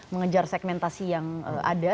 mengejar segmentasi yang ada